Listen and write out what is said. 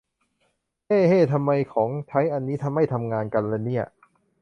เฮ้ เฮ้ ทำไมของใช้อันนี้ไม่ทำงานกันล่ะเนี่ย